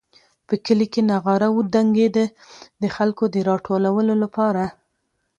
په کلي کې نغاره وډنګېده د خلکو د راټولولو لپاره.